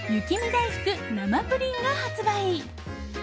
だいふく生ぷりんが発売！